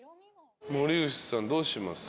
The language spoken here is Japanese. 森口さんどうします？